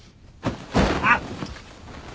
あっ。